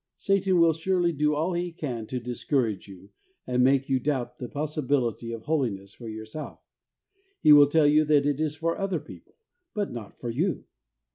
Satan will surely do all he can to dis HOW TO GET HOLINESS 19 courage you, and make you doubt the possi bility of Holiness for yourself. He will tell you that it is for other people, but not for you.